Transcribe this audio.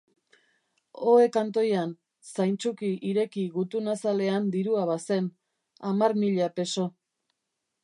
Ohe kantoian zaintsuki ireki gutun-azalean dirua bazen, hamar mila peso.